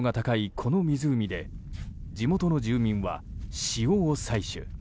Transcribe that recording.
この湖で地元の住民は塩を採取。